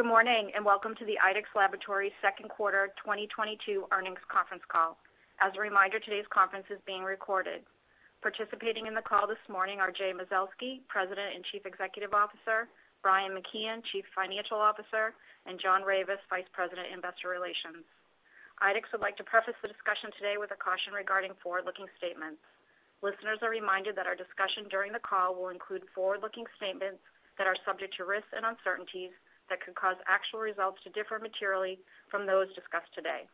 Good morning, and welcome to the IDEXX Laboratories second quarter 2022 earnings conference call. As a reminder, today's conference is being recorded. Participating in the call this morning are Jay Mazelsky, President and Chief Executive Officer, Brian McKeon, Chief Financial Officer, and John Ravis, Vice President, Investor Relations. IDEXX would like to preface the discussion today with a caution regarding forward-looking statements. Listeners are reminded that our discussion during the call will include forward-looking statements that are subject to risks and uncertainties that could cause actual results to differ materially from those discussed today.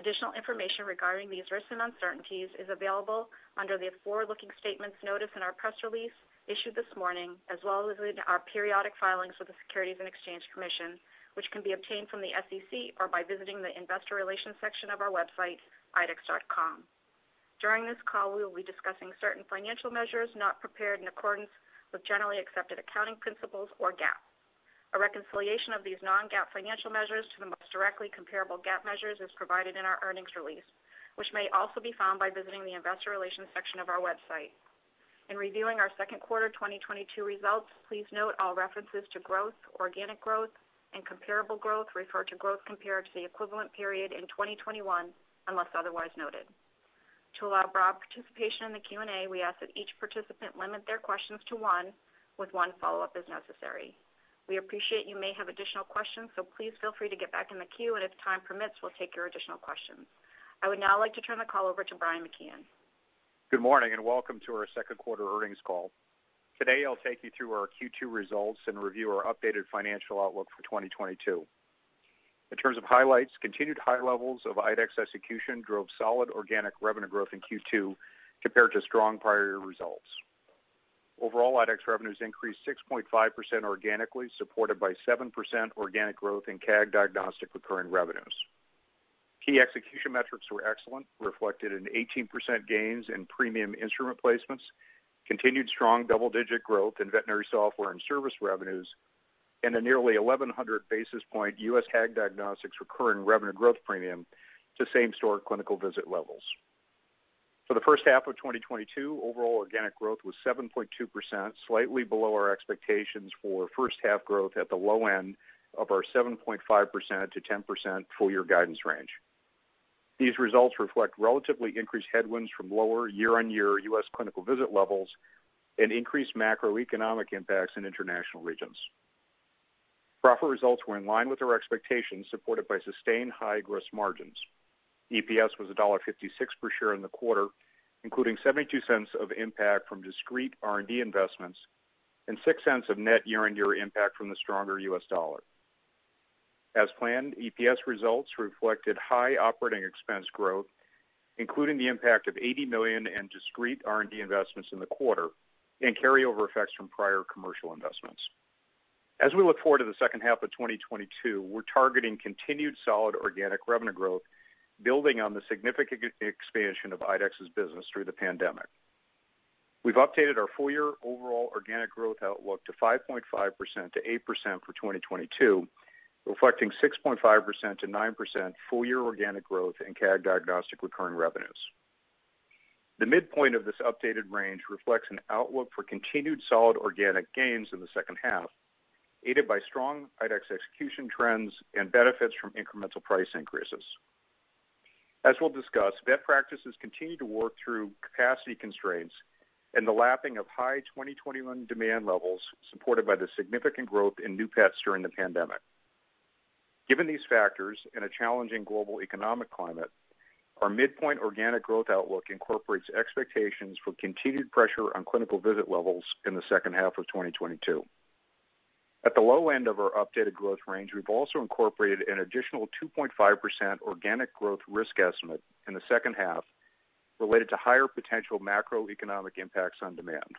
Additional information regarding these risks and uncertainties is available under the Forward-Looking Statements notice in our press release issued this morning, as well as in our periodic filings with the Securities and Exchange Commission, which can be obtained from the SEC or by visiting the Investor Relations section of our website, idexx.com. During this call, we will be discussing certain financial measures not prepared in accordance with generally accepted accounting principles, or GAAP. A reconciliation of these non-GAAP financial measures to the most directly comparable GAAP measures is provided in our earnings release, which may also be found by visiting the Investor Relations section of our website. In reviewing our second quarter 2022 results, please note all references to growth, organic growth, and comparable growth refer to growth compared to the equivalent period in 2021, unless otherwise noted. To allow broad participation in the Q&A, we ask that each participant limit their questions to one, with one follow-up as necessary. We appreciate you may have additional questions, so please feel free to get back in the queue, and if time permits, we'll take your additional questions. I would now like to turn the call over to Brian McKeon. Good morning, and welcome to our second quarter earnings call. Today, I'll take you through our Q2 results and review our updated financial outlook for 2022. In terms of highlights, continued high levels of IDEXX execution drove solid organic revenue growth in Q2 compared to strong prior year results. Overall IDEXX revenues increased 6.5% organically, supported by 7% organic growth in CAG Diagnostic recurring revenues. Key execution metrics were excellent, reflected in 18% gains in premium instrument placements, continued strong double-digit growth in veterinary software and service revenues, and a nearly 1,100 basis point US CAG Diagnostics recurring revenue growth premium to same-store clinical visit levels. For the first half of 2022, overall organic growth was 7.2%, slightly below our expectations for first half growth at the low end of our 7.5%-10% full year guidance range. These results reflect relatively increased headwinds from lower year-on-year U.S. clinical visit levels and increased macroeconomic impacts in international regions. Profit results were in line with our expectations, supported by sustained high gross margins. EPS was $1.56 per share in the quarter, including $0.72 of impact from discrete R&D investments and $0.06 of net year-on-year impact from the stronger US dollar. As planned, EPS results reflected high operating expense growth, including the impact of $80 million in discrete R&D investments in the quarter and carryover effects from prior commercial investments. As we look forward to the second half of 2022, we're targeting continued solid organic revenue growth, building on the significant expansion of IDEXX's business through the pandemic. We've updated our full year overall organic growth outlook to 5.5%-8% for 2022, reflecting 6.5%-9% full year organic growth in CAG Dx recurring revenues. The midpoint of this updated range reflects an outlook for continued solid organic gains in the second half, aided by strong IDEXX execution trends and benefits from incremental price increases. As we'll discuss, vet practices continue to work through capacity constraints and the lapping of high 2021 demand levels supported by the significant growth in new pets during the pandemic. Given these factors and a challenging global economic climate, our midpoint organic growth outlook incorporates expectations for continued pressure on clinical visit levels in the second half of 2022. At the low end of our updated growth range, we've also incorporated an additional 2.5% organic growth risk estimate in the second half related to higher potential macroeconomic impacts on demand.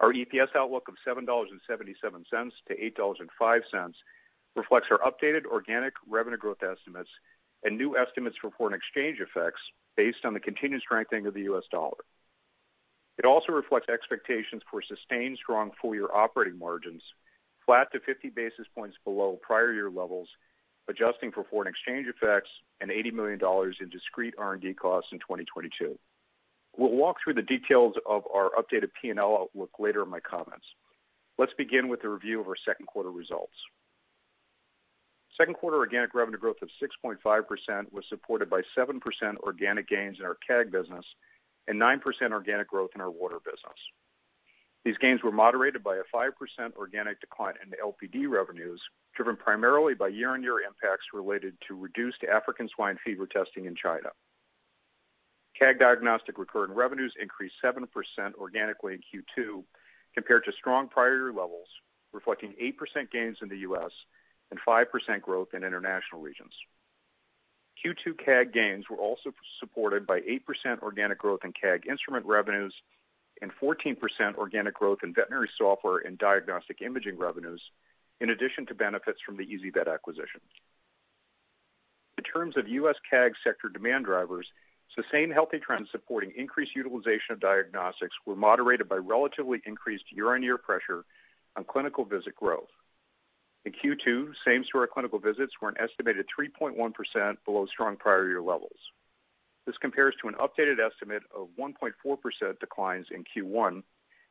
Our EPS outlook of $7.77-$8.05 reflects our updated organic revenue growth estimates and new estimates for foreign exchange effects based on the continued strengthening of the US dollar. It also reflects expectations for sustained strong full year operating margins, flat to 50 basis points below prior year levels, adjusting for foreign exchange effects and $80 million in discrete R&D costs in 2022. We'll walk through the details of our updated P&L outlook later in my comments. Let's begin with a review of our second quarter results. Second quarter organic revenue growth of 6.5% was supported by 7% organic gains in our CAG business and 9% organic growth in our water business. These gains were moderated by a 5% organic decline in LPD revenues, driven primarily by year-on-year impacts related to reduced African swine fever testing in China. CAG Diagnostic recurring revenues increased 7% organically in Q2 compared to strong prior year levels, reflecting 8% gains in the US and 5% growth in international regions. Q2 CAG gains were also supported by 8% organic growth in CAG instrument revenues and 14% organic growth in veterinary software and diagnostic imaging revenues, in addition to benefits from the ezyVet acquisitions. In terms of U.S. CAG sector demand drivers, sustained healthy trends supporting increased utilization of diagnostics were moderated by relatively increased year-on-year pressure on clinical visit growth. In Q2, same-store clinical visits were an estimated 3.1% below strong prior year levels. This compares to an updated estimate of 1.4% declines in Q1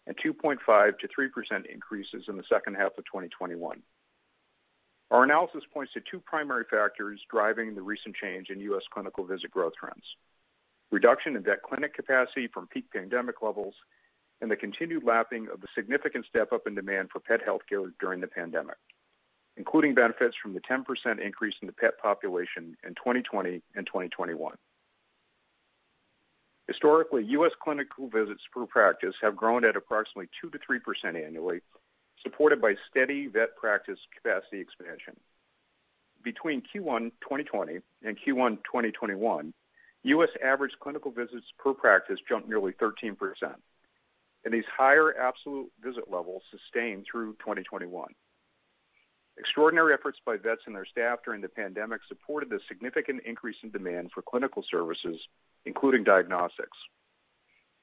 and 2.5%-3% increases in the second half of 2021. Our analysis points to two primary factors driving the recent change in U.S. clinical visit growth trends. Reduction in vet clinic capacity from peak pandemic levels and the continued lapping of the significant step-up in demand for pet healthcare during the pandemic, including benefits from the 10% increase in the pet population in 2020 and 2021. Historically, US clinical visits per practice have grown at approximately 2%-3% annually, supported by steady vet practice capacity expansion. Between Q1 2020 and Q1 2021, US average clinical visits per practice jumped nearly 13%, and these higher absolute visit levels sustained through 2021. Extraordinary efforts by vets and their staff during the pandemic supported the significant increase in demand for clinical services, including diagnostics.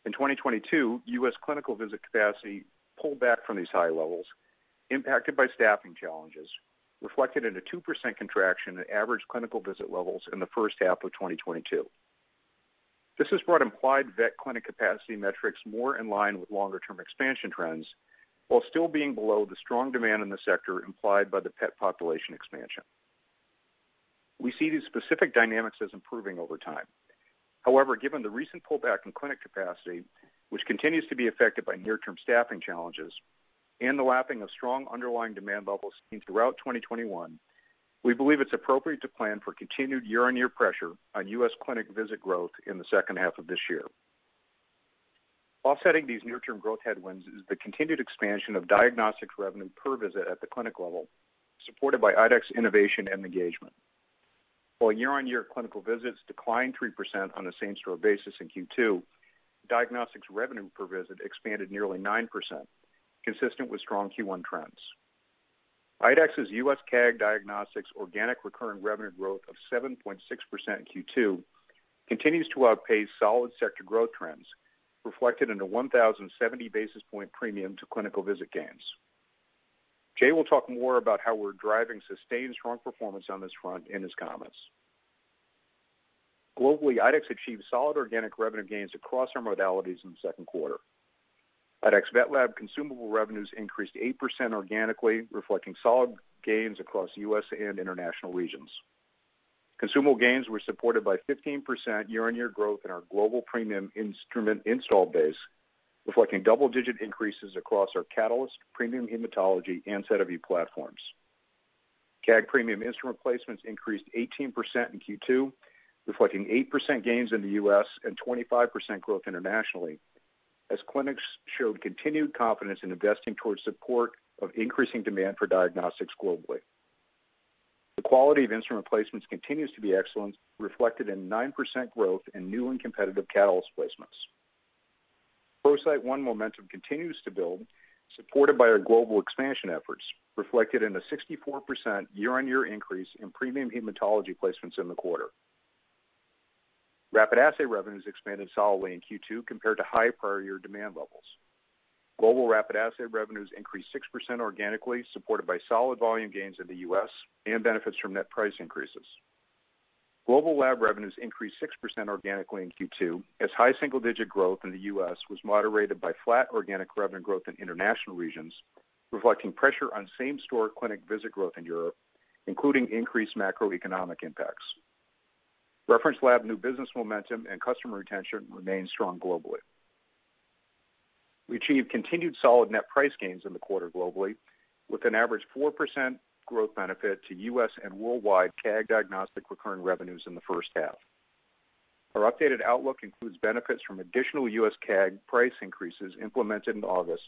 In 2022, US clinical visit capacity pulled back from these high levels, impacted by staffing challenges, reflected in a 2% contraction in average clinical visit levels in the first half of 2022. This has brought implied vet clinic capacity metrics more in line with longer-term expansion trends while still being below the strong demand in the sector implied by the pet population expansion. We see these specific dynamics as improving over time. However, given the recent pullback in clinic capacity, which continues to be affected by near-term staffing challenges and the lapping of strong underlying demand levels seen throughout 2021, we believe it's appropriate to plan for continued year-on-year pressure on US clinic visit growth in the second half of this year. Offsetting these near-term growth headwinds is the continued expansion of diagnostics revenue per visit at the clinic level, supported by IDEXX innovation and engagement. While year-on-year clinical visits declined 3% on a same-store basis in Q2, diagnostics revenue per visit expanded nearly 9%, consistent with strong Q1 trends. IDEXX's US CAG diagnostics organic recurring revenue growth of 7.6% in Q2 continues to outpace solid sector growth trends, reflected in a 1,070 basis point premium to clinical visit gains. Jay will talk more about how we're driving sustained strong performance on this front in his comments. Globally, IDEXX achieved solid organic revenue gains across our modalities in the second quarter. IDEXX VetLab consumable revenues increased 8% organically, reflecting solid gains across US and international regions. Consumable gains were supported by 15% year-on-year growth in our global premium instrument install base, reflecting double-digit increases across our Catalyst premium hematology and SediVue platforms. CAG premium instrument placements increased 18% in Q2, reflecting 8% gains in the US and 25% growth internationally, as clinics showed continued confidence in investing towards support of increasing demand for diagnostics globally. The quality of instrument placements continues to be excellent, reflected in 9% growth in new and competitive Catalyst placements. ProCyte One momentum continues to build, supported by our global expansion efforts, reflected in a 64% year-on-year increase in premium hematology placements in the quarter. Rapid assay revenues expanded solidly in Q2 compared to high prior year demand levels. Global rapid assay revenues increased 6% organically, supported by solid volume gains in the US and benefits from net price increases. Global lab revenues increased 6% organically in Q2, as high single-digit growth in the US was moderated by flat organic revenue growth in international regions, reflecting pressure on same-store clinic visit growth in Europe, including increased macroeconomic impacts. Reference lab new business momentum and customer retention remained strong globally. We achieved continued solid net price gains in the quarter globally, with an average 4% growth benefit to US and worldwide CAG diagnostic recurring revenues in the first half. Our updated outlook includes benefits from additional U.S. CAG price increases implemented in August,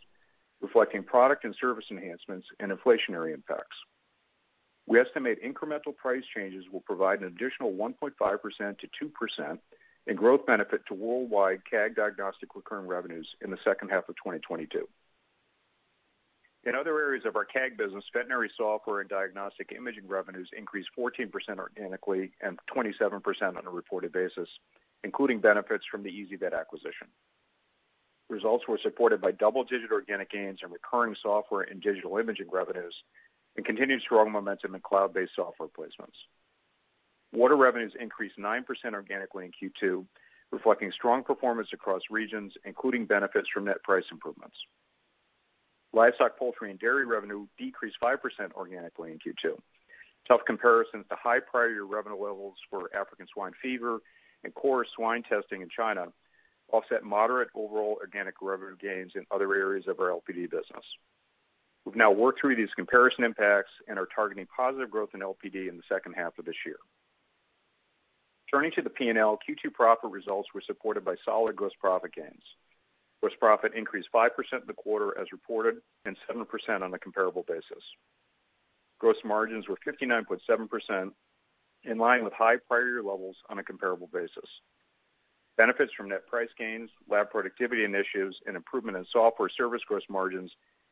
reflecting product and service enhancements and inflationary impacts. We estimate incremental price changes will provide an additional 1.5%-2% in growth benefit to worldwide CAG diagnostic recurring revenues in the second half of 2022. In other areas of our CAG business, veterinary software and diagnostic imaging revenues increased 14% organically and 27% on a reported basis, including benefits from the ezyVet acquisition. Results were supported by double-digit organic gains in recurring software and digital imaging revenues and continued strong momentum in cloud-based software placements. Water revenues increased 9% organically in Q2, reflecting strong performance across regions, including benefits from net price improvements. Livestock, poultry, and dairy revenue decreased 5% organically in Q2. Tough comparisons to high prior year revenue levels for African swine fever and core swine testing in China offset moderate overall organic revenue gains in other areas of our LPD business. We've now worked through these comparison impacts and are targeting positive growth in LPD in the second half of this year. Turning to the P&L, Q2 profit results were supported by solid gross profit gains. Gross profit increased 5% in the quarter as reported and 7% on a comparable basis. Gross margins were 59.7%, in line with high prior year levels on a comparable basis. Benefits from net price gains, lab productivity initiatives, and improvement in software service gross margins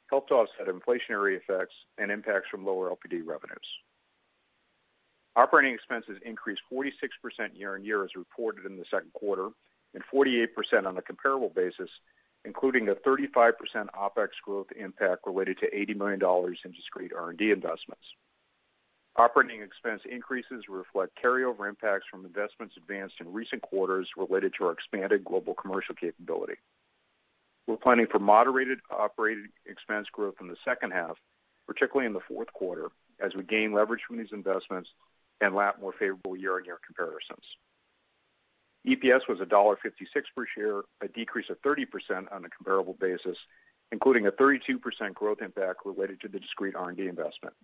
helped to offset inflationary effects and impacts from lower LPD revenues. Operating expenses increased 46% year-on-year as reported in the second quarter and 48% on a comparable basis, including a 35% OpEx growth impact related to $80 million in discrete R&D investments. Operating expense increases reflect carryover impacts from investments advanced in recent quarters related to our expanded global commercial capability. We're planning for moderated operating expense growth in the second half, particularly in the fourth quarter, as we gain leverage from these investments and lap more favorable year-on-year comparisons. EPS was $1.56 per share, a decrease of 30% on a comparable basis, including a 32% growth impact related to the discrete R&D investment.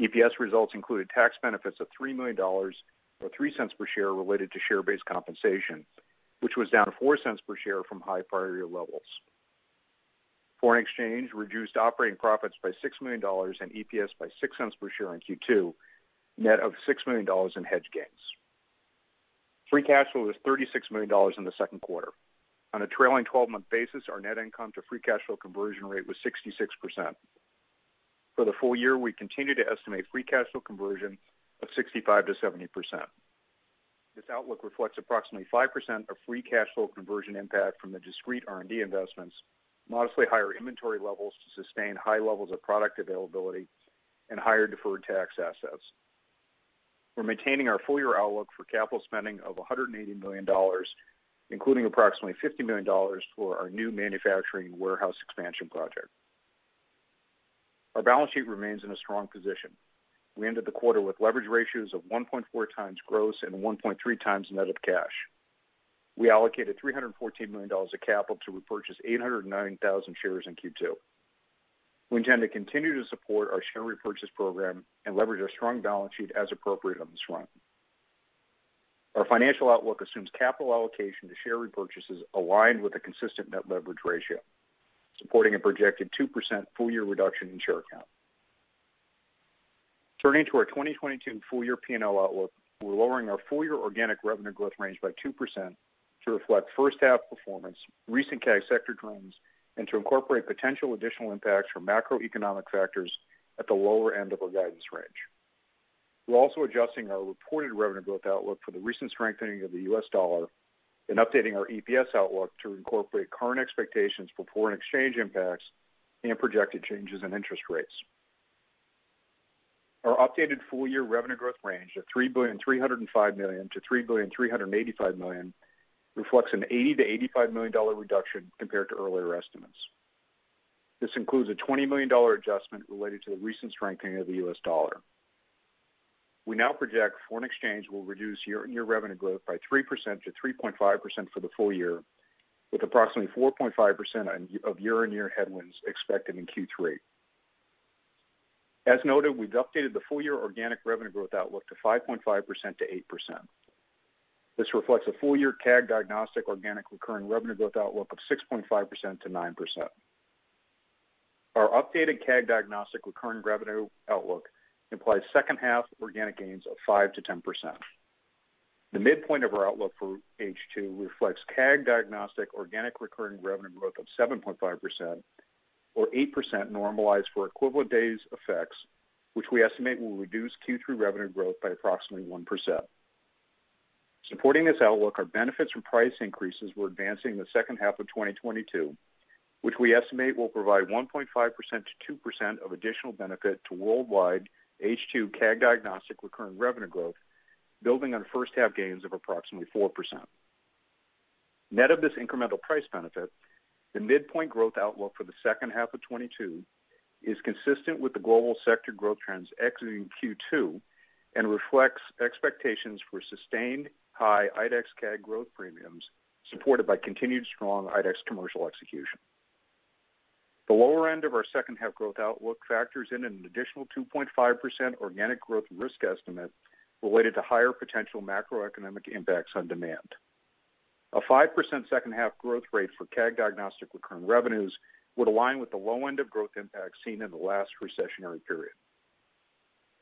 EPS results included tax benefits of $3 million, or $0.03 per share, related to share-based compensation, which was down to $0.04 per share from high prior year levels. Foreign exchange reduced operating profits by $6 million and EPS by $0.06 per share in Q2, net of $6 million in hedge gains. Free cash flow was $36 million in the second quarter. On a trailing twelve-month basis, our net income to free cash flow conversion rate was 66%. For the full year, we continue to estimate free cash flow conversion of 65%-70%. This outlook reflects approximately 5% of free cash flow conversion impact from the discrete R&D investments, modestly higher inventory levels to sustain high levels of product availability, and higher deferred tax assets. We're maintaining our full year outlook for capital spending of $180 million, including approximately $50 million for our new manufacturing warehouse expansion project. Our balance sheet remains in a strong position. We ended the quarter with leverage ratios of 1.4 times gross and 1.3 times net of cash. We allocated $314 million of capital to repurchase 809,000 shares in Q2. We intend to continue to support our share repurchase program and leverage our strong balance sheet as appropriate on this front. Our financial outlook assumes capital allocation to share repurchases aligned with a consistent net leverage ratio, supporting a projected 2% full-year reduction in share count. Turning to our 2022 full year P&L outlook, we're lowering our full year organic revenue growth range by 2% to reflect first half performance, recent CAG sector trends, and to incorporate potential additional impacts from macroeconomic factors at the lower end of our guidance range. We're also adjusting our reported revenue growth outlook for the recent strengthening of the US dollar and updating our EPS outlook to incorporate current expectations for foreign exchange impacts and projected changes in interest rates. Our updated full-year revenue growth range of $3.305 billion-$3.385 billion reflects an $80-$85 million reduction compared to earlier estimates. This includes a $20 million adjustment related to the recent strengthening of the US dollar. We now project foreign exchange will reduce year-on-year revenue growth by 3%-3.5% for the full year, with approximately 4.5% of year-on-year headwinds expected in Q3. We've updated the full-year organic revenue growth outlook to 5.5%-8%. This reflects a full year CAG diagnostic organic recurring revenue growth outlook of 6.5%-9%. Our updated CAG diagnostic recurring revenue outlook implies second half organic gains of 5%-10%. The midpoint of our outlook for H2 reflects CAG diagnostic organic recurring revenue growth of 7.5% or 8% normalized for equivalent days effects, which we estimate will reduce Q3 revenue growth by approximately 1%. Supporting this outlook, our benefits from price increases were advancing in the second half of 2022, which we estimate will provide 1.5%-2% of additional benefit to worldwide H2 CAG diagnostic recurring revenue growth, building on first half gains of approximately 4%. Net of this incremental price benefit, the midpoint growth outlook for the second half of 2022 is consistent with the global sector growth trends exiting Q2 and reflects expectations for sustained high IDEXX CAG growth premiums supported by continued strong IDEXX commercial execution. The lower end of our second half growth outlook factors in an additional 2.5% organic growth risk estimate related to higher potential macroeconomic impacts on demand. A 5% second half growth rate for CAG diagnostic recurring revenues would align with the low end of growth impact seen in the last recessionary period.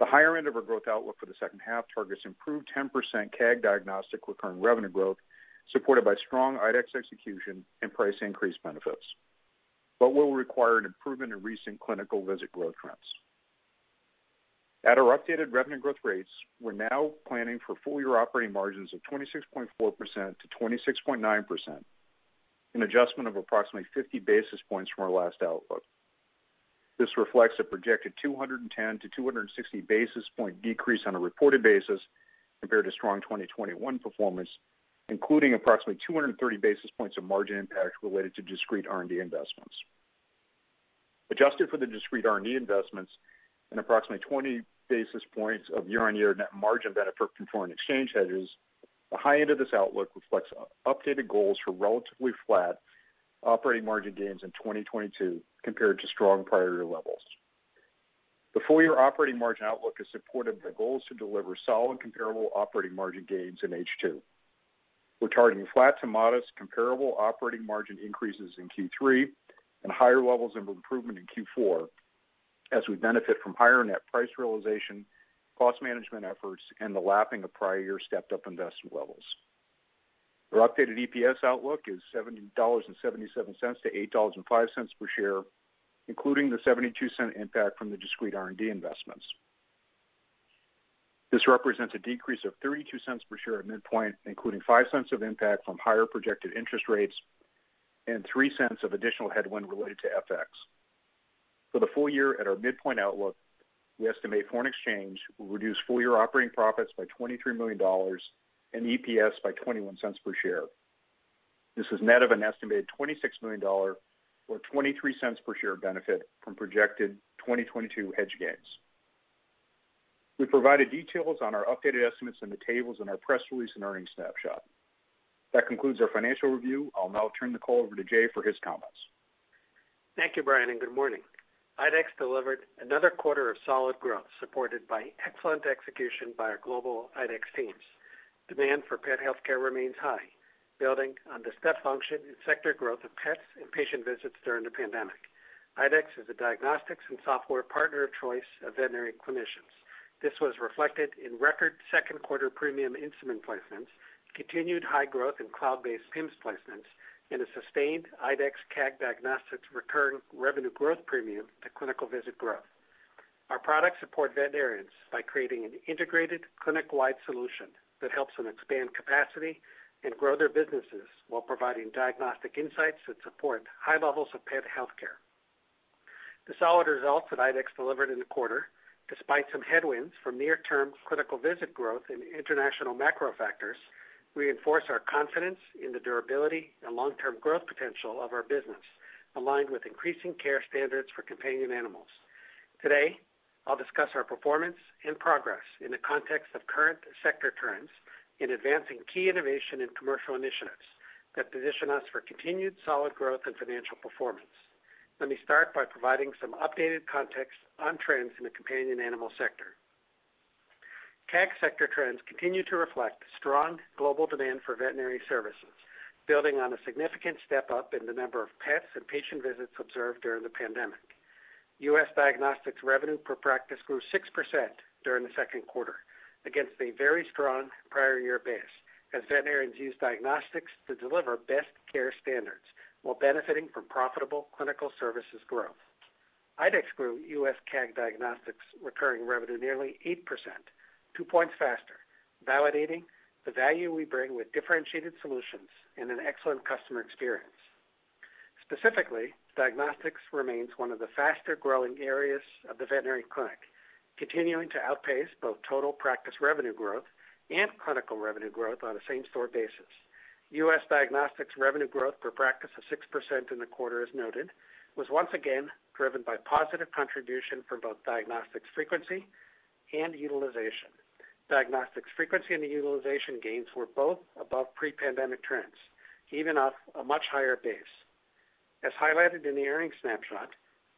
The higher end of our growth outlook for the second half targets improved 10% CAG diagnostic recurring revenue growth, supported by strong IDEXX execution and price increase benefits, but will require an improvement in recent clinical visit growth trends. At our updated revenue growth rates, we're now planning for full-year operating margins of 26.4%-26.9%, an adjustment of approximately 50 basis points from our last outlook. This reflects a projected 210-260 basis point decrease on a reported basis compared to strong 2021 performance, including approximately 230 basis points of margin impact related to discrete R&D investments. Adjusted for the discrete R&D investments and approximately 20 basis points of year-on-year net margin benefit from foreign exchange hedges, the high end of this outlook reflects updated goals for relatively flat operating margin gains in 2022 compared to strong prior-year levels. The full-year operating margin outlook is supported by goals to deliver solid comparable operating margin gains in H2. We're targeting flat to modest comparable operating margin increases in Q3 and higher levels of improvement in Q4 as we benefit from higher net price realization, cost management efforts, and the lapping of prior year stepped up investment levels. Our updated EPS outlook is $7.77-$8.05 per share, including the $0.72 impact from the discrete R&D investments. This represents a decrease of $0.32 per share at midpoint, including $0.05 of impact from higher projected interest rates and $0.03 of additional headwind related to FX. For the full year at our midpoint outlook, we estimate foreign exchange will reduce full-year operating profits by $23 million and EPS by $0.21 per share. This is net of an estimated $26 million or $0.23 per share benefit from projected 2022 hedge gains. We provided details on our updated estimates in the tables in our press release and earnings snapshot. That concludes our financial review. I'll now turn the call over to Jay for his comments. Thank you, Brian, and good morning. IDEXX delivered another quarter of solid growth, supported by excellent execution by our global IDEXX teams. Demand for pet healthcare remains high, building on the step function in sector growth of pets and patient visits during the pandemic. IDEXX is a diagnostics and software partner of choice of veterinary clinicians. This was reflected in record second quarter premium instrument placements, continued high growth in cloud-based PIMS placements, and a sustained IDEXX CAG Diagnostics recurring revenue growth premium to clinical visit growth. Our products support veterinarians by creating an integrated clinic-wide solution that helps them expand capacity and grow their businesses while providing diagnostic insights that support high levels of pet healthcare. The solid results that IDEXX delivered in the quarter, despite some headwinds from near-term clinical visit growth and international macro factors, reinforce our confidence in the durability and long-term growth potential of our business, aligned with increasing care standards for companion animals. Today, I'll discuss our performance and progress in the context of current sector trends in advancing key innovation and commercial initiatives that position us for continued solid growth and financial performance. Let me start by providing some updated context on trends in the companion animal sector. CAG sector trends continue to reflect strong global demand for veterinary services, building on a significant step-up in the number of pets and patient visits observed during the pandemic. U.S. diagnostics revenue per practice grew 6% during the second quarter against a very strong prior year base as veterinarians used diagnostics to deliver best care standards while benefiting from profitable clinical services growth. IDEXX grew U.S. CAG Diagnostics recurring revenue nearly 8%, two points faster, validating the value we bring with differentiated solutions and an excellent customer experience. Specifically, diagnostics remains one of the faster-growing areas of the veterinary clinic, continuing to outpace both total practice revenue growth and clinical revenue growth on a same-store basis. U.S. diagnostics revenue growth per practice of 6% in the quarter, as noted, was once again driven by positive contribution from both diagnostics frequency and utilization. Diagnostics frequency and utilization gains were both above pre-pandemic trends, even off a much higher base. As highlighted in the earnings snapshot,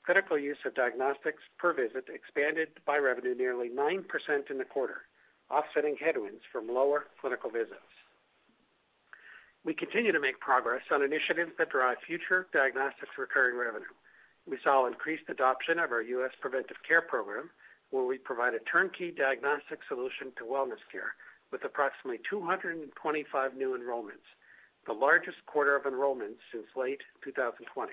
clinical use of diagnostics per visit expanded by revenue nearly 9% in the quarter, offsetting headwinds from lower clinical visits. We continue to make progress on initiatives that drive future diagnostics recurring revenue. We saw increased adoption of our U.S. preventive care program, where we provide a turnkey diagnostic solution to wellness care with approximately 225 new enrollments, the largest quarter of enrollments since late 2020.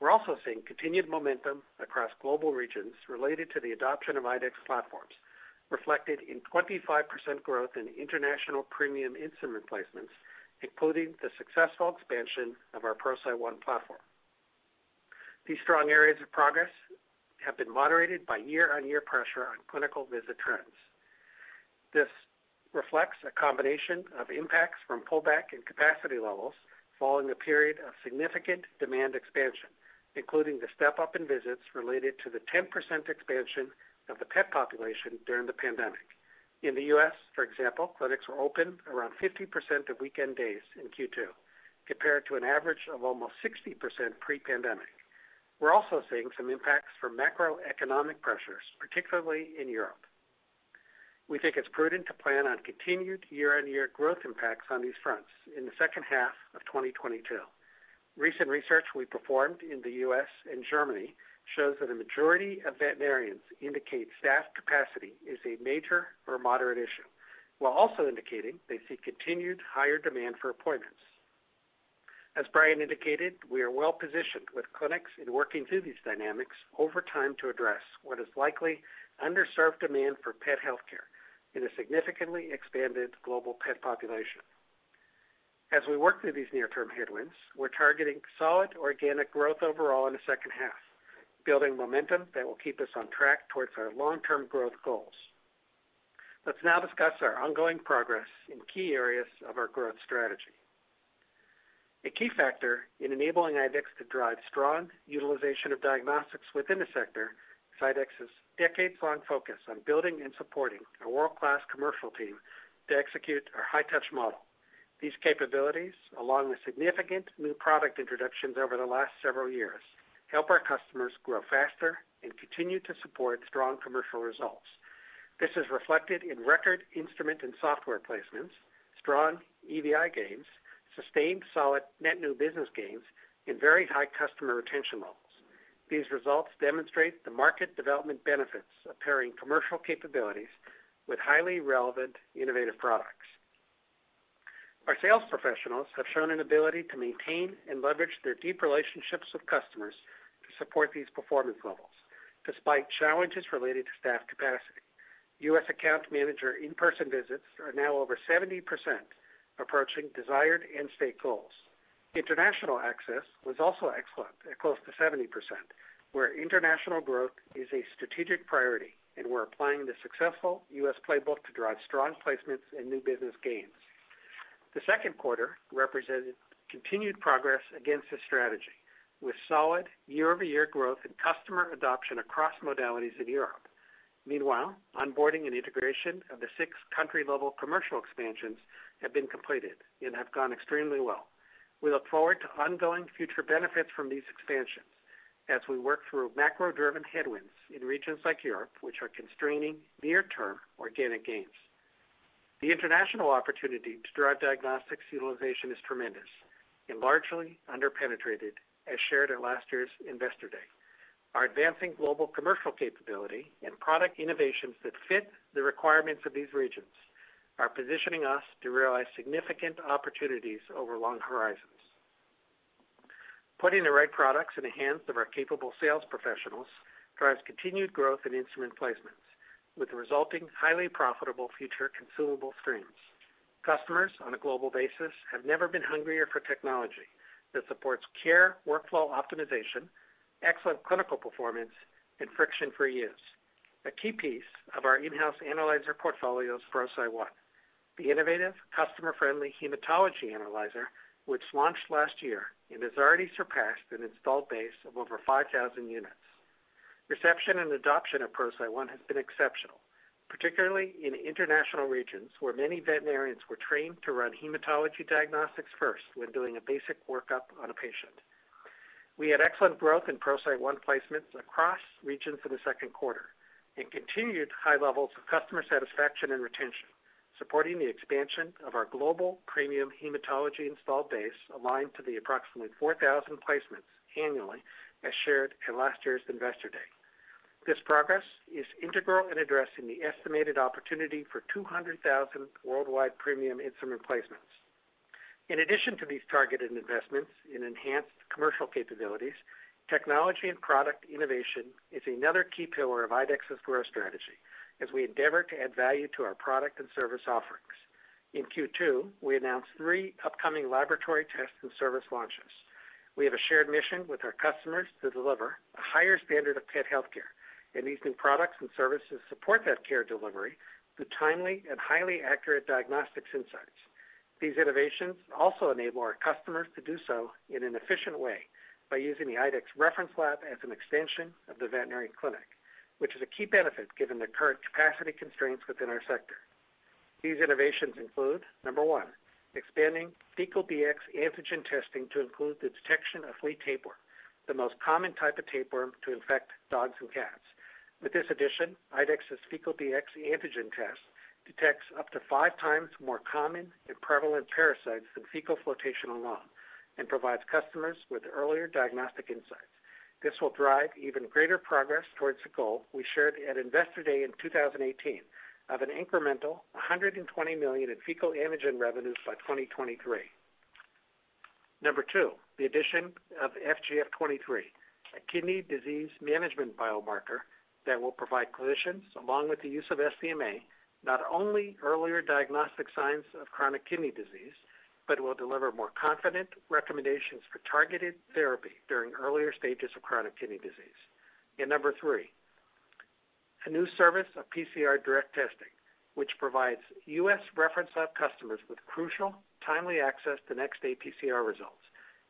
We're also seeing continued momentum across global regions related to the adoption of IDEXX platforms, reflected in 25% growth in international premium instrument placements, including the successful expansion of our ProCyte One platform. These strong areas of progress have been moderated by year-on-year pressure on clinical visit trends. This reflects a combination of impacts from pullback and capacity levels following a period of significant demand expansion, including the step-up in visits related to the 10% expansion of the pet population during the pandemic. In the U.S., for example, clinics were open around 50% of weekend days in Q2, compared to an average of almost 60% pre-pandemic. We're also seeing some impacts from macroeconomic pressures, particularly in Europe. We think it's prudent to plan on continued year-on-year growth impacts on these fronts in the second half of 2022. Recent research we performed in the U.S. and Germany shows that a majority of veterinarians indicate staff capacity is a major or moderate issue, while also indicating they see continued higher demand for appointments. As Brian indicated, we are well-positioned with clinics in working through these dynamics over time to address what is likely underserved demand for pet healthcare in a significantly expanded global pet population. As we work through these near-term headwinds, we're targeting solid organic growth overall in the second half, building momentum that will keep us on track towards our long-term growth goals. Let's now discuss our ongoing progress in key areas of our growth strategy. A key factor in enabling IDEXX to drive strong utilization of diagnostics within the sector is IDEXX's decades-long focus on building and supporting a world-class commercial team to execute our high-touch model. These capabilities, along with significant new product introductions over the last several years, help our customers grow faster and continue to support strong commercial results. This is reflected in record instrument and software placements, strong EVI gains, sustained solid net new business gains, and very high customer retention levels. These results demonstrate the market development benefits of pairing commercial capabilities with highly relevant innovative products. Our sales professionals have shown an ability to maintain and leverage their deep relationships with customers to support these performance levels despite challenges related to staff capacity. U.S. account manager in-person visits are now over 70% approaching desired end-state goals. International access was also excellent at close to 70%, where international growth is a strategic priority, and we're applying the successful U.S. playbook to drive strong placements and new business gains. The second quarter represented continued progress against this strategy with solid year-over-year growth in customer adoption across modalities in Europe. Meanwhile, onboarding and integration of the six country-level commercial expansions have been completed and have gone extremely well. We look forward to ongoing future benefits from these expansions as we work through macro-driven headwinds in regions like Europe, which are constraining near-term organic gains. The international opportunity to drive diagnostics utilization is tremendous and largely under-penetrated as shared at last year's Investor Day. Our advancing global commercial capability and product innovations that fit the requirements of these regions are positioning us to realize significant opportunities over long horizons. Putting the right products in the hands of our capable sales professionals drives continued growth in instrument placements with resulting highly profitable future consumable streams. Customers on a global basis have never been hungrier for technology that supports care workflow optimization, excellent clinical performance, and friction-free use. A key piece of our in-house analyzer portfolio is ProCyte One, the innovative customer-friendly hematology analyzer, which launched last year and has already surpassed an installed base of over 5,000 units. Reception and adoption of ProCyte One has been exceptional, particularly in international regions where many veterinarians were trained to run hematology diagnostics first when doing a basic workup on a patient. We had excellent growth in ProCyte One placements across regions in the second quarter and continued high levels of customer satisfaction and retention, supporting the expansion of our global premium hematology installed base aligned to the approximately 4,000 placements annually as shared in last year's Investor Day. This progress is integral in addressing the estimated opportunity for 200,000 worldwide premium instrument placements. In addition to these targeted investments in enhanced commercial capabilities, technology and product innovation is another key pillar of IDEXX's growth strategy as we endeavor to add value to our product and service offerings. In Q2, we announced 3 upcoming laboratory tests and service launches. We have a shared mission with our customers to deliver a higher standard of pet healthcare, and these new products and services support that care delivery through timely and highly accurate diagnostics insights. These innovations also enable our customers to do so in an efficient way by using the IDEXX reference lab as an extension of the veterinary clinic, which is a key benefit given the current capacity constraints within our sector. These innovations include, number one, expanding Fecal Dx antigen testing to include the detection of tapeworm, the most common type of tapeworm to infect dogs and cats. With this addition, IDEXX's Fecal Dx antigen test detects up to five times more common and prevalent parasites than fecal flotation alone and provides customers with earlier diagnostic insights. This will drive even greater progress towards the goal we shared at Investor Day in 2018 of an incremental $120 million in fecal antigen revenues by 2023. Number two, the addition of FGF-23, a kidney disease management biomarker that will provide clinicians, along with the use of SDMA, not only earlier diagnostic signs of chronic kidney disease, but will deliver more confident recommendations for targeted therapy during earlier stages of chronic kidney disease. Number three, a new service of PCR direct testing, which provides U.S. reference lab customers with crucial timely access to next-day PCR results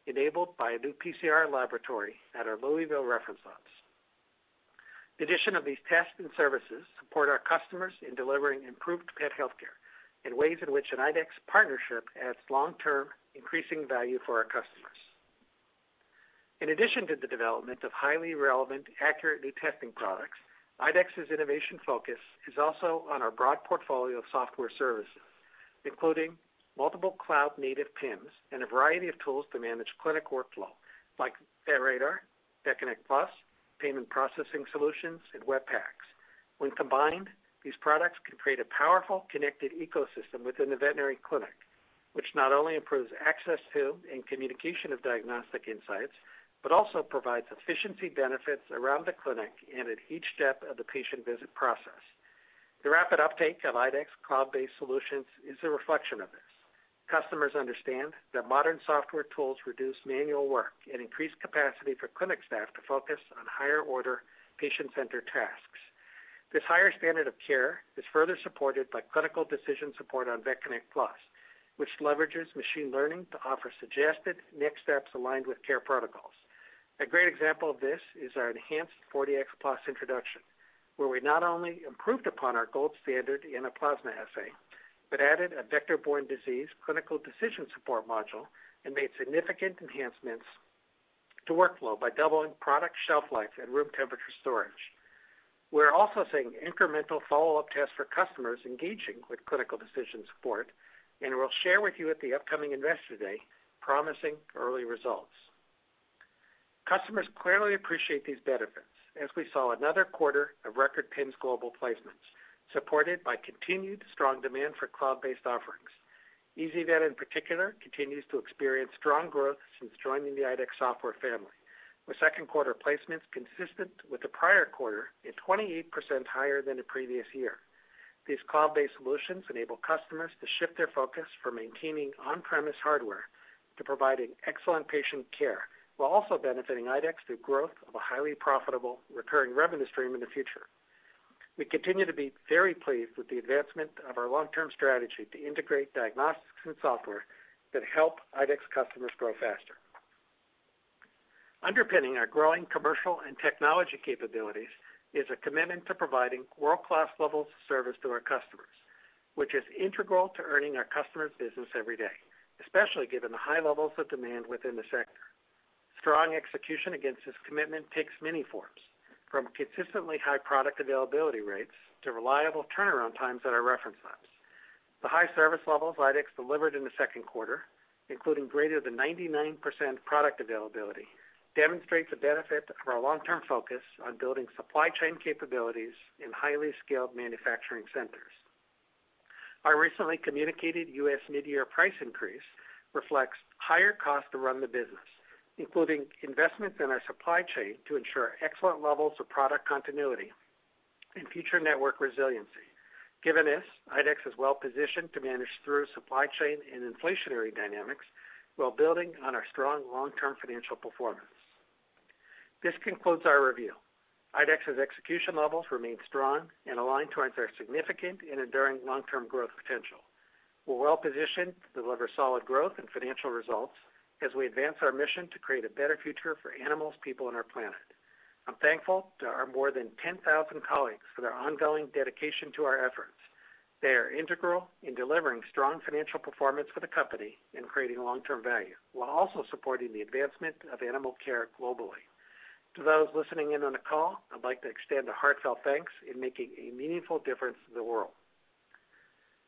enabled by a new PCR laboratory at our Louisville reference labs. The addition of these tests and services support our customers in delivering improved pet healthcare in ways in which an IDEXX partnership adds long-term increasing value for our customers. In addition to the development of highly relevant, accurate new testing products, IDEXX's innovation focus is also on our broad portfolio of software services, including multiple cloud-native PIMs and a variety of tools to manage clinic workflow like Radar, VetConnect PLUS, payment processing solutions, and Web PACS. When combined, these products can create a powerful connected ecosystem within the veterinary clinic, which not only improves access to and communication of diagnostic insights, but also provides efficiency benefits around the clinic and at each step of the patient visit process. The rapid uptake of IDEXX cloud-based solutions is a reflection of this. Customers understand that modern software tools reduce manual work and increase capacity for clinic staff to focus on higher-order patient-centered tasks. This higher standard of care is further supported by clinical decision support on VetConnect PLUS, which leverages machine learning to offer suggested next steps aligned with care protocols. A great example of this is our enhanced SNAP 4Dx Plus introduction, where we not only improved upon our gold standard in a plasma assay, but added a vector-borne disease clinical decision support module and made significant enhancements to workflow by doubling product shelf life and room temperature storage. We're also seeing incremental follow-up tests for customers engaging with clinical decision support, and we'll share with you at the upcoming Investor Day promising early results. Customers clearly appreciate these benefits as we saw another quarter of record PIMS global placements supported by continued strong demand for cloud-based offerings. ezyVet in particular continues to experience strong growth since joining the IDEXX software family, with second quarter placements consistent with the prior quarter and 28% higher than the previous year. These cloud-based solutions enable customers to shift their focus from maintaining on-premise hardware to providing excellent patient care while also benefiting IDEXX through growth of a highly profitable recurring revenue stream in the future. We continue to be very pleased with the advancement of our long-term strategy to integrate diagnostics and software that help IDEXX customers grow faster. Underpinning our growing commercial and technology capabilities is a commitment to providing world-class levels of service to our customers, which is integral to earning our customers' business every day, especially given the high levels of demand within the sector. Strong execution against this commitment takes many forms, from consistently high product availability rates to reliable turnaround times at reference labs. The high service levels IDEXX delivered in the second quarter, including greater than 99% product availability, demonstrates the benefit of our long-term focus on building supply chain capabilities in highly scaled manufacturing centers. Our recently communicated US mid-year price increase reflects higher cost to run the business, including investments in our supply chain to ensure excellent levels of product continuity and future network resiliency. Given this, IDEXX is well positioned to manage through supply chain and inflationary dynamics while building on our strong long-term financial performance. This concludes our review. IDEXX's execution levels remain strong and aligned towards our significant and enduring long-term growth potential. We're well positioned to deliver solid growth and financial results as we advance our mission to create a better future for animals, people on our planet. I'm thankful to our more than 10,000 colleagues for their ongoing dedication to our efforts. They are integral in delivering strong financial performance for the company and creating long-term value, while also supporting the advancement of animal care globally. To those listening in on the call, I'd like to extend a heartfelt thanks in making a meaningful difference in the world.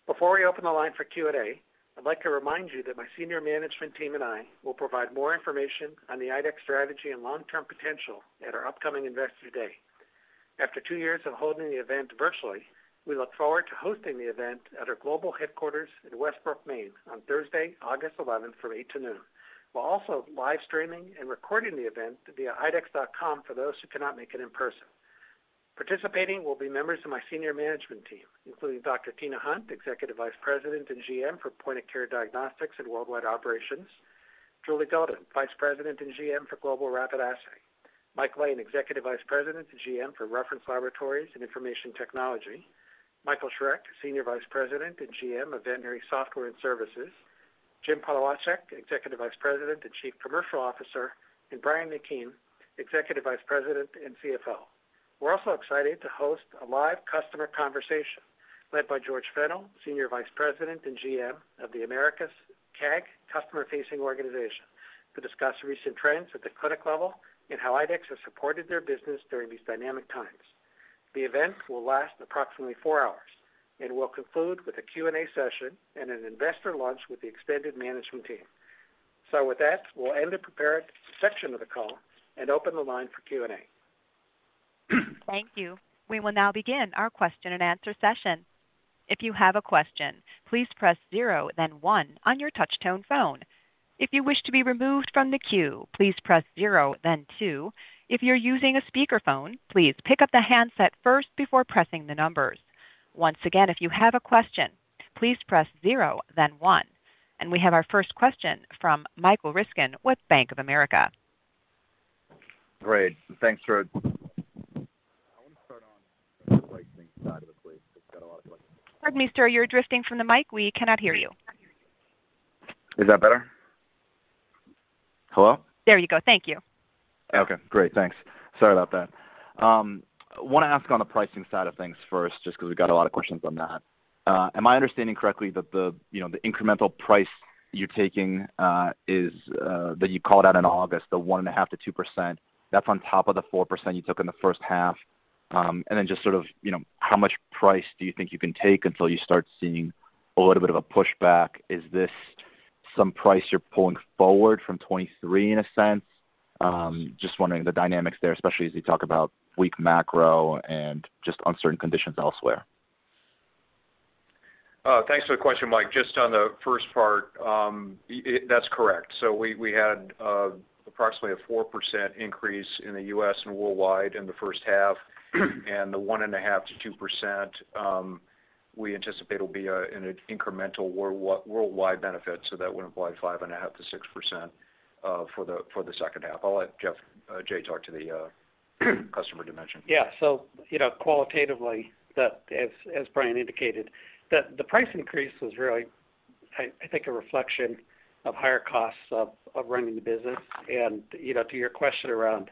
Before we open the line for Q&A, I'd like to remind you that my senior management team and I will provide more information on the IDEXX strategy and long-term potential at our upcoming Investor Day. After 2 years of holding the event virtually, we look forward to hosting the event at our global headquarters in Westbrook, Maine, on Thursday, August eleventh from 8:00 A.M. to noon. We're also live streaming and recording the event via idexx.com for those who cannot make it in person. Participating will be members of my senior management team, including Dr. Tina Hunt, Executive Vice President and GM for Point of Care Diagnostics and Worldwide Operations, Julie Golden, Vice President and GM for Global Rapid Assay, Mike Lane, Executive Vice President and GM for Reference Laboratories and Information Technology, Michael Schreck, Executive Vice President and GM of Veterinary Software and Services, Jim Polewaczyk, Executive Vice President and Chief Commercial Officer, and Brian McKeon, Executive Vice President and CFO. We're also excited to host a live customer conversation led by George Fennell, Executive Vice President and GM of the Americas CAG customer-facing organization, to discuss recent trends at the clinic level and how IDEXX has supported their business during these dynamic times. The event will last approximately four hours and will conclude with a Q&A session and an investor lunch with the extended management team. With that, we'll end the prepared section of the call and open the line for Q&A. Thank you. We will now begin our question and answer session. If you have a question, please press zero, then one on your touch tone phone. If you wish to be removed from the queue, please press zero then two. If you're using a speakerphone, please pick up the handset first before pressing the numbers. Once again, if you have a question, please press zero then one. We have our first question from Michael Ryskin with Bank of America. Great. Thanks, Joe. I want to start on the pricing side of the place. It's got a lot of questions. Pardon me, sir. You're drifting from the mic. We cannot hear you. Is that better? Hello? There you go. Thank you. Okay, great. Thanks. Sorry about that. Want to ask on the pricing side of things first, just because we got a lot of questions on that. Am I understanding correctly that the, you know, the incremental price you're taking is that you called out in August, the 1.5%-2%, that's on top of the 4% you took in the first half? Then just sort of, you know, how much price do you think you can take until you start seeing a little bit of a pushback? Is this some price you're pulling forward from 2023 in a sense? Just wondering the dynamics there, especially as you talk about weak macro and just uncertain conditions elsewhere. Thanks for the question, Mike. Just on the first part, that's correct. We had approximately a 4% increase in the U.S. and worldwide in the first half. The 1.5%-2% we anticipate will be in an incremental worldwide benefit, so that would imply 5.5%-6% for the second half. I'll let Jay talk to the customer dimension. Yeah. You know, qualitatively, as Brian indicated, the price increase was really, I think, a reflection of higher costs of running the business. You know, to your question around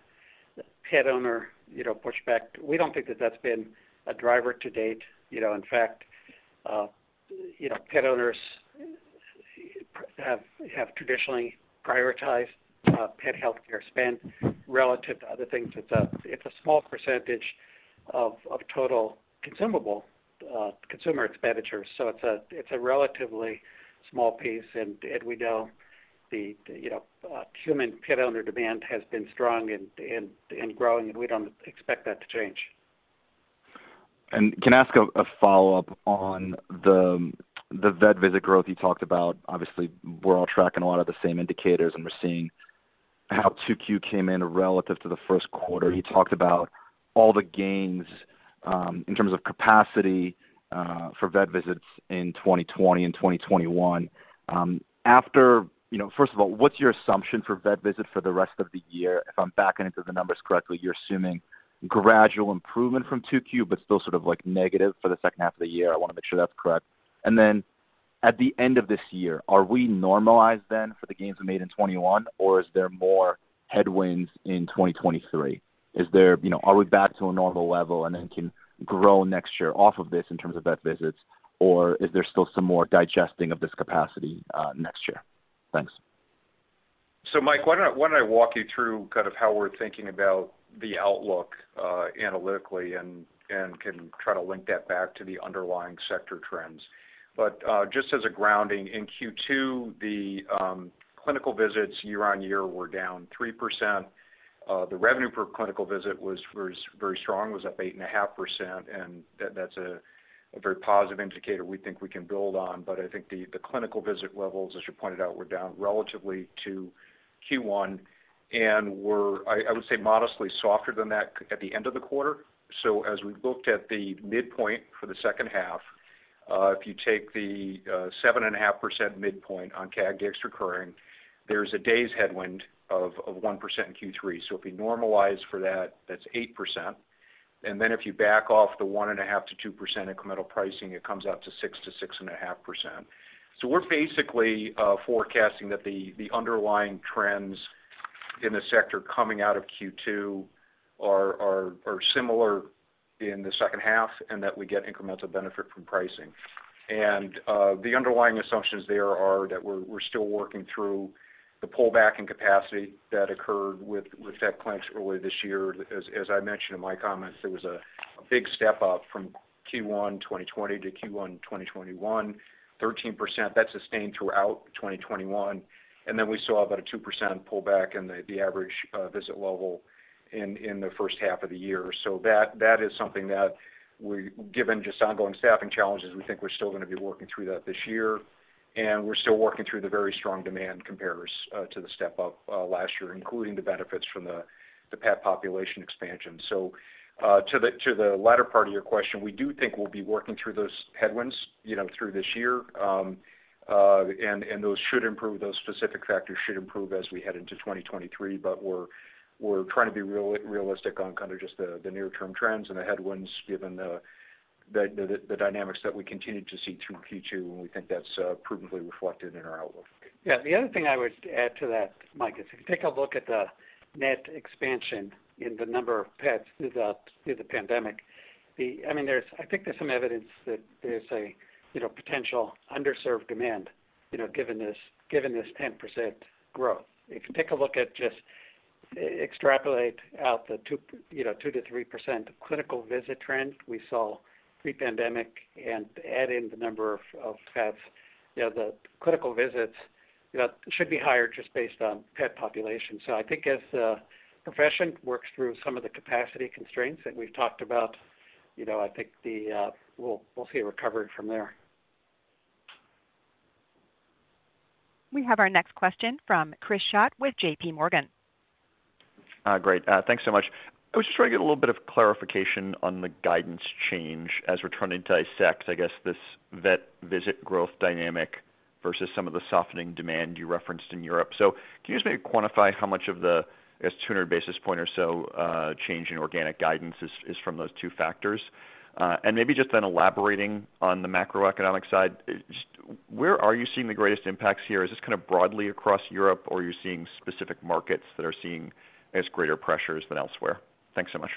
pet owner pushback, we don't think that's been a driver to date. You know, in fact, pet owners have traditionally prioritized pet healthcare spend relative to other things. It's a small percentage. Of total consumable consumer expenditures. It's a relatively small piece. We know, you know, the human pet owner demand has been strong and growing, and we don't expect that to change. Can I ask a follow-up on the vet visit growth you talked about? Obviously, we're all tracking a lot of the same indicators, and we're seeing how 2Q came in relative to the first quarter. You talked about all the gains in terms of capacity for vet visits in 2020 and 2021. You know, first of all, what's your assumption for vet visits for the rest of the year? If I'm backing into the numbers correctly, you're assuming gradual improvement from 2Q, but still sort of like negative for the second half of the year. I wanna make sure that's correct. Then, at the end of this year, are we normalized then for the gains we made in 2021, or is there more headwinds in 2023? Is there You know, are we back to a normal level and then can grow next year off of this in terms of vet visits, or is there still some more digesting of this capacity, next year? Thanks. Mike, why don't I walk you through kind of how we're thinking about the outlook, analytically and can try to link that back to the underlying sector trends. Just as a grounding, in Q2, the clinical visits year-over-year were down 3%. The revenue per clinical visit was very strong, was up 8.5%, and that's a very positive indicator we think we can build on. I think the clinical visit levels, as you pointed out, were down relative to Q1 and were, I would say modestly softer than that at the end of the quarter. As we looked at the midpoint for the second half, if you take the 7.5% midpoint on CAG Dx recurring, there's a day's headwind of 1% in Q3. If we normalize for that's 8%. If you back off the 1.5%-2% incremental pricing, it comes out to 6%-6.5%. We're basically forecasting that the underlying trends in the sector coming out of Q2 are similar in the second half, and that we get incremental benefit from pricing. The underlying assumptions there are that we're still working through the pullback in capacity that occurred with vet clinics early this year. As I mentioned in my comments, there was a big step-up from Q1 2020 to Q1 2021, 13%. That sustained throughout 2021. Then we saw about a 2% pullback in the average visit level in the first half of the year. That is something that, given just ongoing staffing challenges, we think we're still gonna be working through that this year. We're still working through the very strong demand comparisons to the step-up last year, including the benefits from the pet population expansion. To the latter part of your question, we do think we'll be working through those headwinds, you know, through this year. Those specific factors should improve as we head into 2023. We're trying to be realistic on kind of just the near-term trends and the headwinds given the dynamics that we continued to see through Q2, and we think that's prudently reflected in our outlook. Yeah. The other thing I would add to that, Mike, is if you take a look at the net expansion in the number of pets through the pandemic. I mean, I think there's some evidence that there's a, you know, potential underserved demand, you know, given this 10% growth. If you take a look at just extrapolate out the 2%-3% clinical visit trend we saw pre-pandemic and add in the number of pets, you know, the clinical visits, you know, should be higher just based on pet population. So I think as the profession works through some of the capacity constraints that we've talked about, you know, I think we'll see a recovery from there. We have our next question from Chris Schott with J.P. Morgan. Great. Thanks so much. I was just trying to get a little bit of clarification on the guidance change as we're trying to dissect, I guess, this vet visit growth dynamic versus some of the softening demand you referenced in Europe. Can you just maybe quantify how much of the, I guess, 200 basis point or so change in organic guidance is from those two factors? Maybe just then elaborating on the macroeconomic side, just where are you seeing the greatest impacts here? Is this kind of broadly across Europe, or are you seeing specific markets that are seeing, I guess, greater pressures than elsewhere? Thanks so much.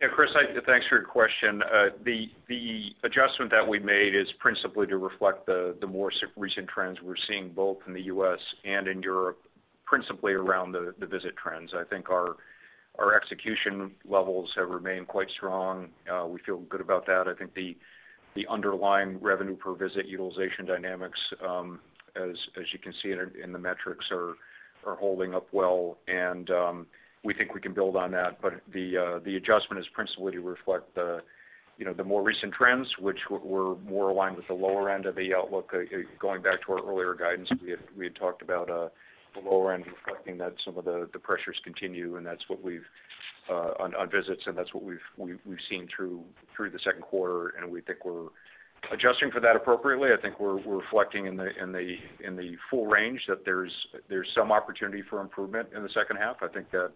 Yeah, Chris, thanks for your question. The adjustment that we made is principally to reflect the more recent trends we're seeing both in the U.S. and in Europe, principally around the visit trends. I think our execution levels have remained quite strong. We feel good about that. I think the underlying revenue per visit utilization dynamics, as you can see in the metrics, are holding up well. We think we can build on that. The adjustment is principally to reflect the more recent trends, which were more aligned with the lower end of the outlook. Going back to our earlier guidance, we had talked about the lower end reflecting that some of the pressures continue, and that's what we've seen on visits, and that's what we've seen through the second quarter, and we think we're adjusting for that appropriately. I think we're reflecting in the full range that there's some opportunity for improvement in the second half. I think that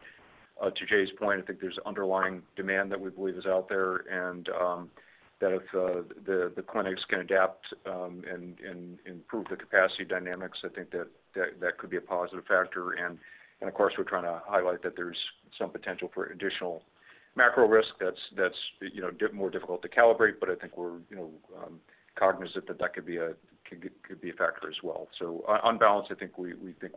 to Jay's point, I think there's underlying demand that we believe is out there and that if the clinics can adapt and improve the capacity dynamics, I think that could be a positive factor. Of course, we're trying to highlight that there's some potential for additional macro risk that's you know more difficult to calibrate. I think we're, you know, cognizant that could be a factor as well. On balance, I think we think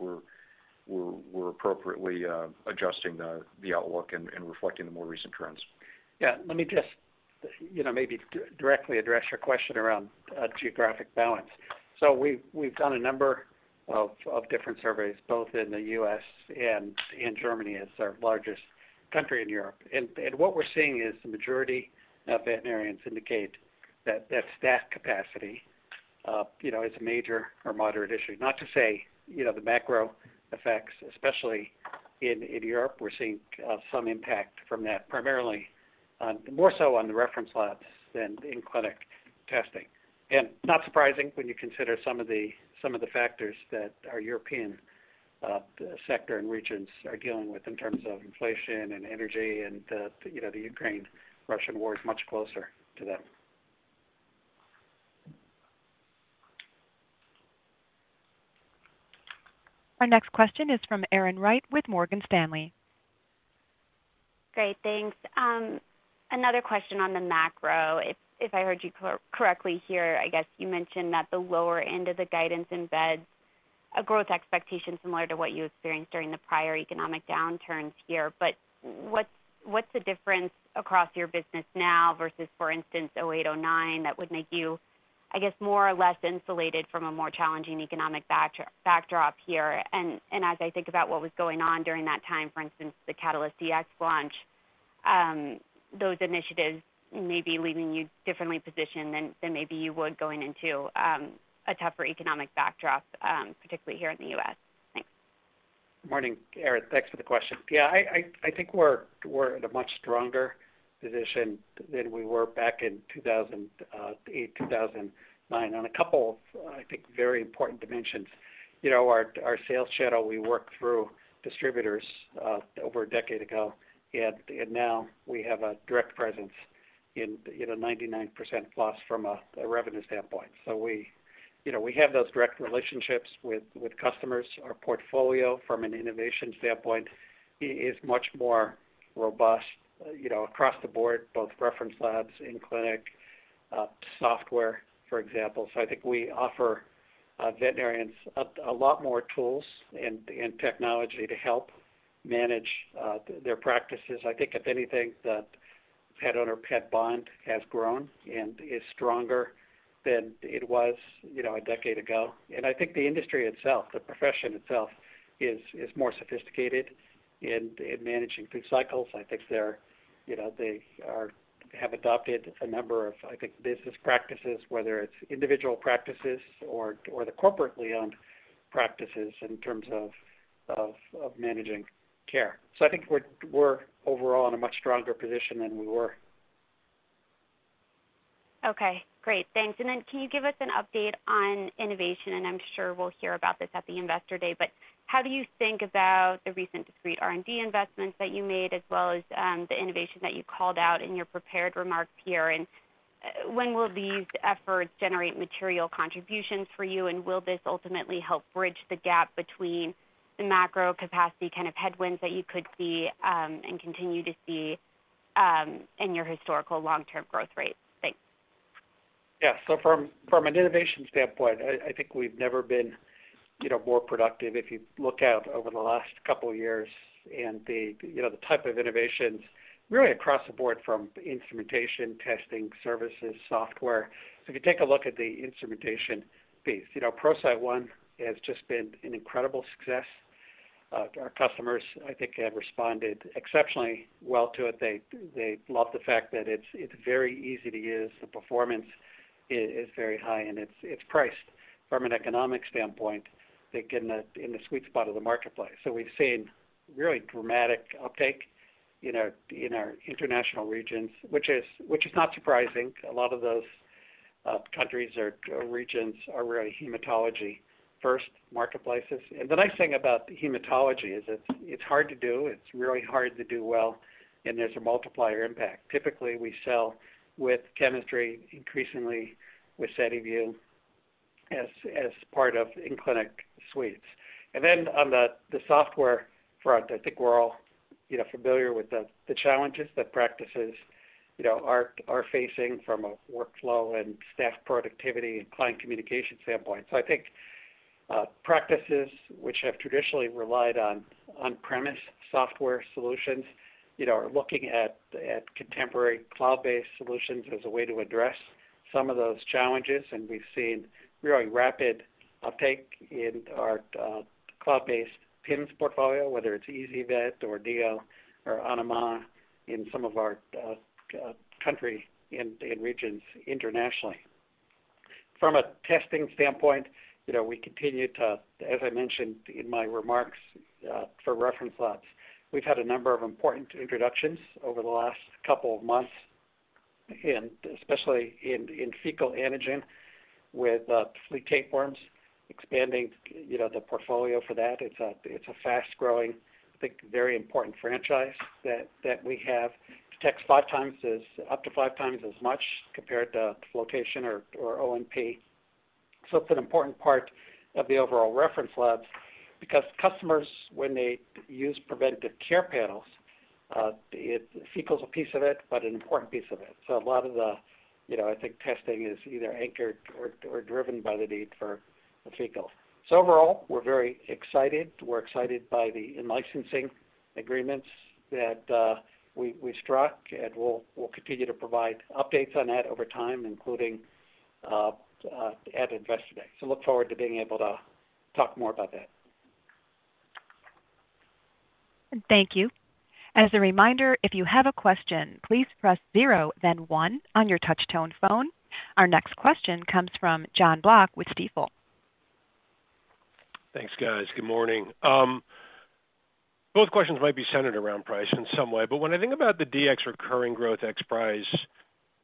we're appropriately adjusting the outlook and reflecting the more recent trends. Let me just, you know, maybe directly address your question around geographic balance. We've done a number of different surveys, both in the U.S. and in Germany as our largest country in Europe. What we're seeing is the majority of veterinarians indicate that staff capacity, you know, is a major or moderate issue. Not to say, you know, the macro effects, especially in Europe, we're seeing some impact from that, primarily on more so on the reference labs than in clinic testing. Not surprising when you consider some of the factors that our European sector and regions are dealing with in terms of inflation and energy and the, you know, the Ukraine-Russian war is much closer to them. Our next question is from Erin Wright with Morgan Stanley. Great. Thanks. Another question on the macro. If I heard you correctly here, I guess you mentioned that the lower end of the guidance embeds a growth expectation similar to what you experienced during the prior economic downturns here. But what's the difference across your business now versus, for instance, 2008, 2009 that would make you, I guess, more or less insulated from a more challenging economic backdrop here? As I think about what was going on during that time, for instance, the Catalyst Dx launch, those initiatives may be leaving you differently positioned than maybe you would going into a tougher economic backdrop, particularly here in the US. Thanks. Morning, Erin. Thanks for the question. Yeah, I think we're in a much stronger position than we were back in 2008, 2009 on a couple of, I think, very important dimensions. You know, our sales channel, we worked through distributors over a decade ago, and now we have a direct presence in, you know, 99% plus from a revenue standpoint. So we, you know, we have those direct relationships with customers. Our portfolio from an innovation standpoint is much more robust, you know, across the board, both reference labs, in-clinic, software, for example. So I think we offer veterinarians a lot more tools and technology to help manage their practices. I think if anything, the pet owner-pet bond has grown and is stronger than it was, you know, a decade ago. I think the industry itself, the profession itself is more sophisticated in managing through cycles. I think they, you know, have adopted a number of, I think, business practices, whether it's individual practices or the corporately owned practices in terms of managing care. I think we're overall in a much stronger position than we were. Okay, great. Thanks. Then can you give us an update on innovation? I'm sure we'll hear about this at the Investor Day, but how do you think about the recent discrete R&D investments that you made as well as, the innovation that you called out in your prepared remarks here? When will these efforts generate material contributions for you? Will this ultimately help bridge the gap between the macro capacity kind of headwinds that you could see, and continue to see, in your historical long-term growth rates? Thanks. Yeah. From an innovation standpoint, I think we've never been, you know, more productive. If you look out over the last couple of years and you know, the type of innovations really across the board from instrumentation, testing, services, software. If you take a look at the instrumentation piece, you know, ProCyte One has just been an incredible success. Our customers, I think, have responded exceptionally well to it. They love the fact that it's very easy to use. The performance is very high, and it's priced from an economic standpoint, I think, in the sweet spot of the marketplace. We've seen really dramatic uptake in our international regions, which is not surprising. A lot of those countries or regions are really hematology first marketplaces. The nice thing about hematology is it's hard to do, it's really hard to do well, and there's a multiplier impact. Typically, we sell with chemistry increasingly with SediVue as part of in-clinic suites. Then on the software front, I think we're all, you know, familiar with the challenges that practices, you know, are facing from a workflow and staff productivity and client communication standpoint. I think practices which have traditionally relied on on-premise software solutions, you know, are looking at contemporary cloud-based solutions as a way to address some of those challenges. We've seen really rapid uptake in our cloud-based PIMs portfolio, whether it's ezyVet or Neo or Animana in some of our countries and regions internationally. From a testing standpoint, you know, we continue to, as I mentioned in my remarks, for reference labs, we've had a number of important introductions over the last couple of months, and especially in fecal antigen with flea tapeworms expanding the portfolio for that. It's a fast-growing, I think, very important franchise that we have. Detects up to five times as much compared to flotation or O&P. So it's an important part of the overall reference labs because customers when they use preventive care panels, fecal is a piece of it, but an important piece of it. So a lot of the, you know, I think testing is either anchored or driven by the need for the fecal. So overall, we're very excited. We're excited by the in-licensing agreements that we struck, and we'll continue to provide updates on that over time, including at Investor Day. Look forward to being able to talk more about that. Thank you. As a reminder, if you have a question, please press zero then one on your touch tone phone. Our next question comes from Jonathan Block with Stifel. Thanks, guys. Good morning. Both questions might be centered around price in some way, but when I think about the Dx recurring growth ex price,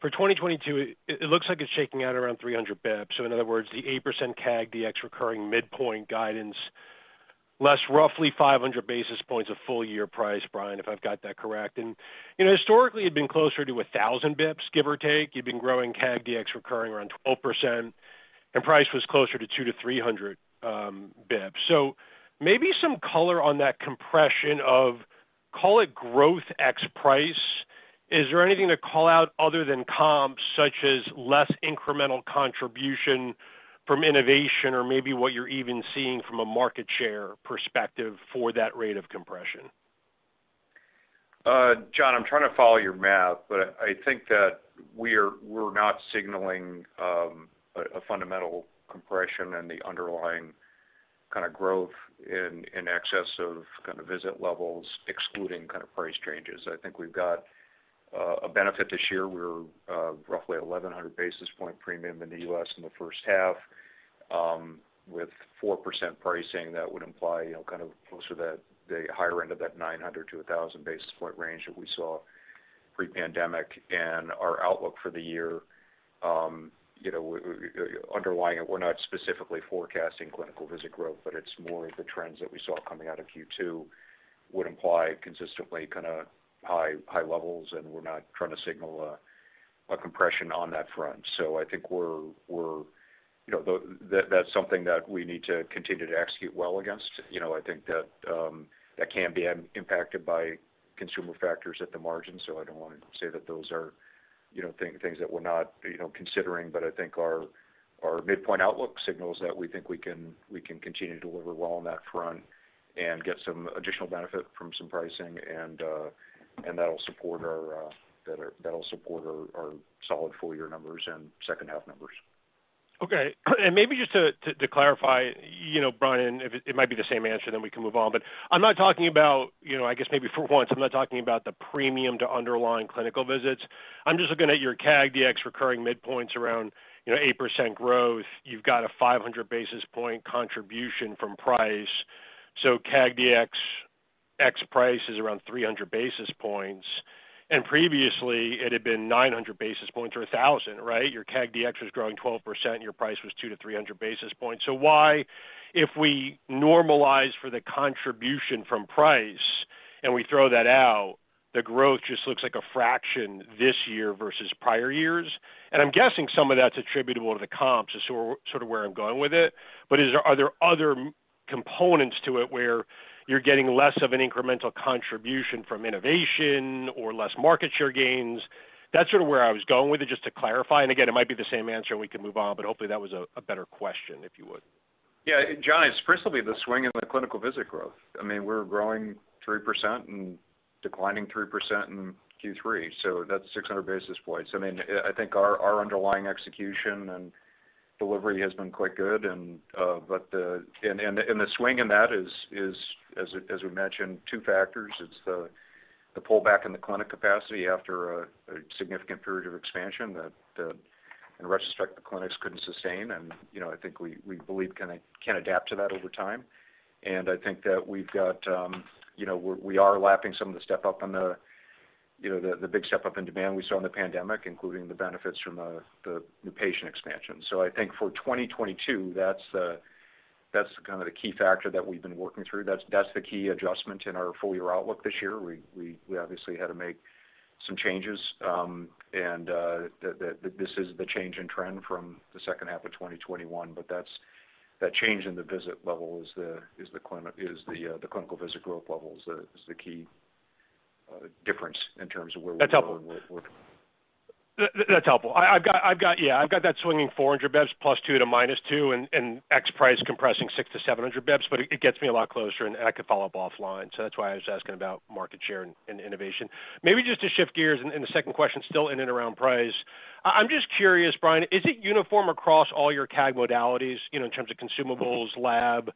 for 2022, it looks like it's shaking out around 300 bps. In other words, the 8% CAG Dx recurring midpoint guidance, less roughly 500 basis points of full year price, Brian, if I've got that correct. You know, historically, you've been closer to 1,000 bps, give or take. You've been growing CAG Dx recurring around 12%, and price was closer to 200-300 bps. Maybe some color on that compression of, call it growth ex price. Is there anything to call out other than comps, such as less incremental contribution from innovation or maybe what you're even seeing from a market share perspective for that rate of compression? Jon, I'm trying to follow your math, but I think that we're not signaling a fundamental compression and the underlying kind of growth in excess of kind of visit levels, excluding kind of price changes. I think we've got a benefit this year. We're roughly 1,100 basis points premium in the U.S. in the first half, with 4% pricing that would imply, you know, kind of closer to the higher end of that 900-1,000 basis points range that we saw pre-pandemic. Our outlook for the year, underlying it, we're not specifically forecasting clinical visit growth, but it's more of the trends that we saw coming out of Q2 would imply consistently kind of high levels, and we're not trying to signal a compression on that front. I think that's something that we need to continue to execute well against. You know, I think that that can be impacted by consumer factors at the margin, so I don't wanna say that those are, you know, things that we're not, you know, considering. I think our midpoint outlook signals that we think we can continue to deliver well on that front and get some additional benefit from some pricing and that'll support our solid full year numbers and second half numbers. Okay. Maybe just to clarify, you know, Brian, it might be the same answer, then we can move on. But I'm not talking about, you know, I guess maybe for once, I'm not talking about the premium to underlying clinical visits. I'm just looking at your CAG Dx recurring midpoints around, you know, 8% growth. You've got a 500 basis point contribution from price. So CAG Dx ex price is around 300 basis points. And previously, it had been 900 basis points or a thousand, right? Your CAG Dx was growing 12%, your price was 200-300 basis points. So why, if we normalize for the contribution from price and we throw that out, the growth just looks like a fraction this year versus prior years? I'm guessing some of that's attributable to the comps is sort of where I'm going with it. But are there other components to it, where you're getting less of an incremental contribution from innovation or less market share gains? That's sort of where I was going with it, just to clarify. Again, it might be the same answer, and we can move on, but hopefully that was a better question, if you would. Yeah. Jon, it's principally the swing in the clinical visit growth. I mean, we're growing 3% and declining 3% in Q3, so that's 600 basis points. I mean, I think our underlying execution and delivery has been quite good and the swing in that is, as we mentioned, two factors. It's the pullback in the clinic capacity after a significant period of expansion that in retrospect, the clinics couldn't sustain. You know, I think we believe we can adapt to that over time. I think that we've got, you know, we are lapping some of the step-up on the, you know, the big step-up in demand we saw in the pandemic, including the benefits from the new patient expansion. I think for 2022, that's kinda the key factor that we've been working through. That's the key adjustment in our full year outlook this year. We obviously had to make some changes, this is the change in trend from the second half of 2021, but that change in the visit level is the clinical visit growth levels. That is the key difference in terms of where we're working. That's helpful. I've got that swinging 400 basis points +2 to -2 and ex price compressing 600-700 basis points, but it gets me a lot closer and I could follow up offline. That's why I was asking about market share and innovation. Maybe just to shift gears, the second question still in and around price. I'm just curious, Brian, is it uniform across all your CAG modalities, you know, in terms of consumables, lab, rapids?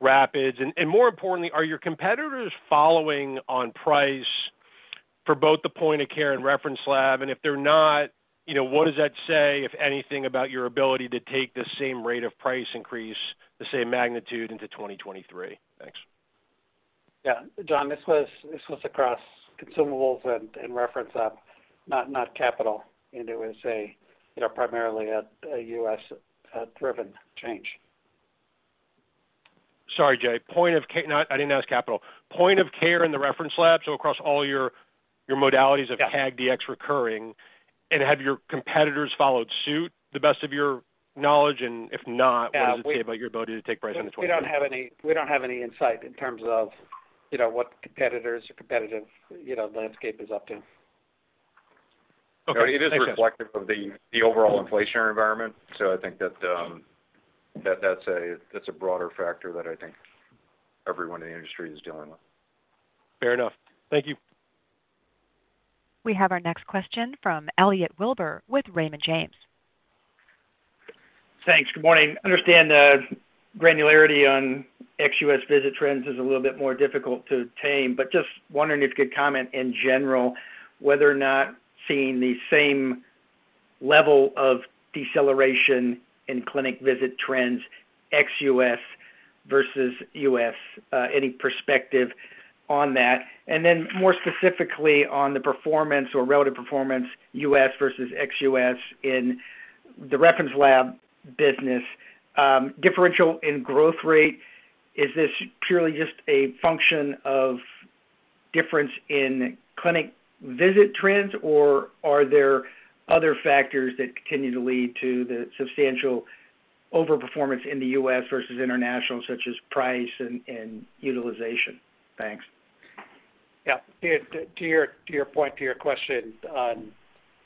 And more importantly, are your competitors following on price for both the point of care and reference lab? And if they're not, you know, what does that say, if anything, about your ability to take the same rate of price increase, the same magnitude into 2023? Thanks. Yeah. Jon, this was across consumables and reference lab, not capital into, say, you know, primarily a U.S. driven change. Sorry, Jay. I didn't ask capital. Point of care in the reference lab, so across all your modalities of CAG Dx recurring and have your competitors followed suit to the best of your knowledge? And if not, what does it say about your ability to take price on the 25%? We don't have any insight in terms of, you know, what competitors or competitive landscape is up to. Okay. It is reflective of the overall inflationary environment. I think that that's a broader factor that I think everyone in the industry is dealing with. Fair enough. Thank you. We have our next question from Elliot Wilbur with Raymond James. Thanks. Good morning. Understand the granularity on ex-U.S. visit trends is a little bit more difficult to obtain, but just wondering if you could comment, in general, whether or not seeing the same level of deceleration in clinic visit trends, ex-U.S. versus U.S., any perspective on that? More specifically on the performance or relative performance U.S. versus ex-U.S. in the reference lab business, differential in growth rate, is this purely just a function of difference in clinic visit trends, or are there other factors that continue to lead to the substantial overperformance in the U.S. versus international, such as price and utilization? Thanks. Yeah. To your point, to your question on,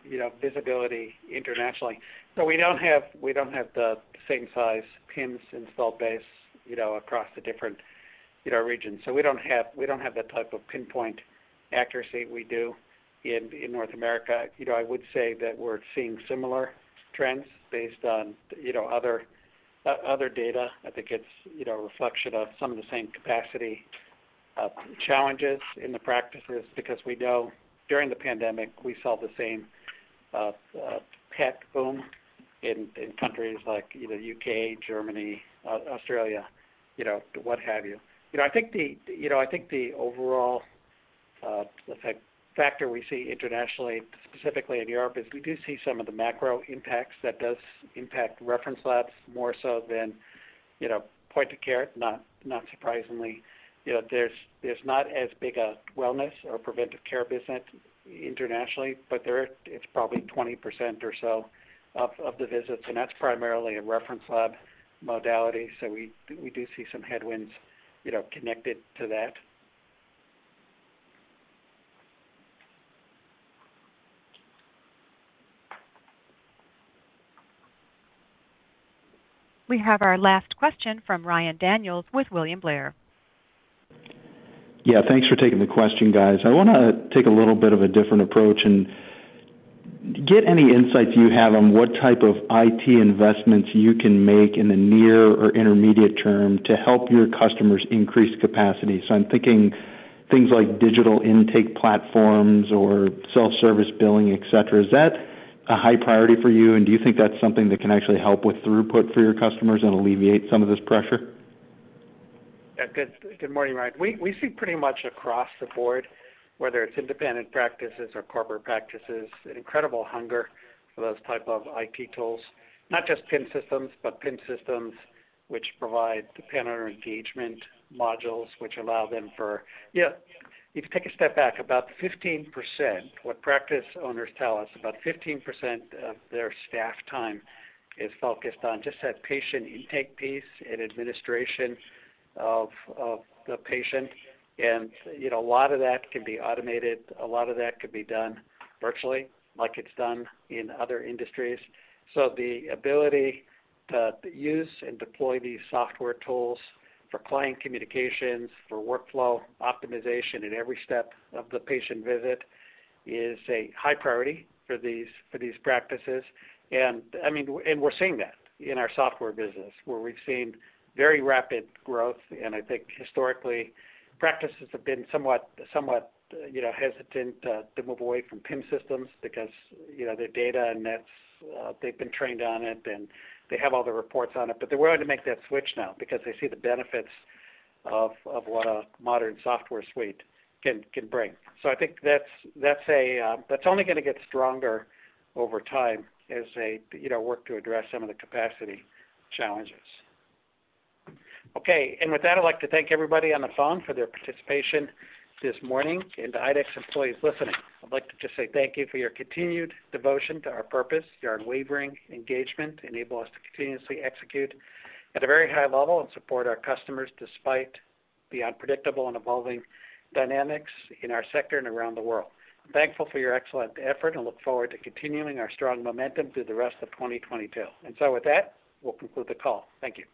you know, visibility internationally. We don't have the same size PIMs installed base, you know, across the different, you know, regions. We don't have the type of pinpoint accuracy we do in North America. You know, I would say that we're seeing similar trends based on, you know, other data. I think it's, you know, a reflection of some of the same capacity challenges in the practices, because we know during the pandemic, we saw the same pet boom in countries like the UK, Germany, Australia, you know, what have you. You know, I think the overall factor we see internationally, specifically in Europe, is we do see some of the macro impacts that does impact reference labs more so than point-of-care, not surprisingly. You know, there's not as big a wellness or preventive care business internationally, but there, it's probably 20% or so of the visits, and that's primarily a reference lab modality. We do see some headwinds, you know, connected to that. We have our last question from Ryan Daniels with William Blair. Yeah. Thanks for taking the question, guys. I wanna take a little bit of a different approach and get any insights you have on what type of IT investments you can make in the near or intermediate term to help your customers increase capacity. I'm thinking things like digital intake platforms or self-service billing, et cetera. Is that a high priority for you, and do you think that's something that can actually help with throughput for your customers and alleviate some of this pressure? Yeah. Good morning, Ryan. We see pretty much across the board, whether it's independent practices or corporate practices, an incredible hunger for those type of IT tools. Not just PIM systems, but PIM systems which provide the panel or engagement modules, which allow them for. You know, if you take a step back, about 15%, what practice owners tell us, about 15% of their staff time is focused on just that patient intake piece and administration of the patient. You know, a lot of that can be automated, a lot of that can be done virtually, like it's done in other industries. The ability to use and deploy these software tools for client communications, for workflow optimization in every step of the patient visit is a high priority for these practices. We're seeing that in our software business, where we've seen very rapid growth. I think historically, practices have been somewhat, you know, hesitant to move away from PIM systems because, you know, their data and that's, they've been trained on it, and they have all the reports on it. But they're willing to make that switch now because they see the benefits of what a modern software suite can bring. I think that's only gonna get stronger over time as they, you know, work to address some of the capacity challenges. Okay. With that, I'd like to thank everybody on the phone for their participation this morning. To IDEXX employees listening, I'd like to just say thank you for your continued devotion to our purpose. Your unwavering engagement enable us to continuously execute at a very high level and support our customers despite the unpredictable and evolving dynamics in our sector and around the world. I'm thankful for your excellent effort and look forward to continuing our strong momentum through the rest of 2022. With that, we'll conclude the call. Thank you.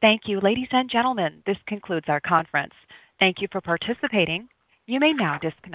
Thank you. Ladies and gentlemen, this concludes our conference. Thank you for participating. You may now disconnect.